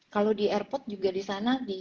kalau di airport juga disana